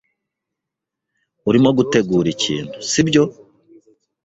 Urimo gutegura ikintu, sibyo?